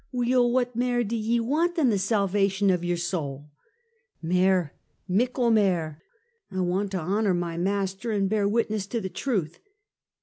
" Weel, what mair do ye want, than the salvation o' yer saul?" "Mair, mickle mair! I want to honor my Master, and bear witness to the truth."